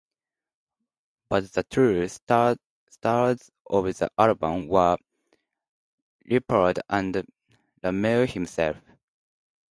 But the true stars of the album were Leppard and Rameau himself.